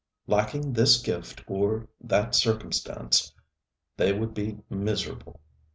Lacking this gift or that circumstance, they would be miserable.